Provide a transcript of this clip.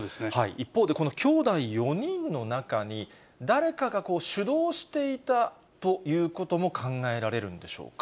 一方でこのきょうだい４人の中に、誰かが主導していたということも考えられるんでしょうか。